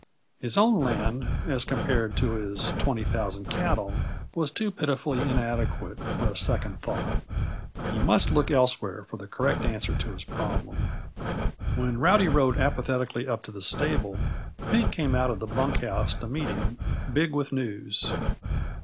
His own land, as compared to his twenty thousand cattle, was too pitifully inadequate for a second thought. He must look elsewhere for the correct answer to his problem. When Rowdy rode apathetically up to the stable, Pink came out of the bunk house to meet him, big with news.